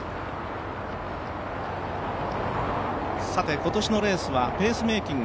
今年のレースはペースメイキング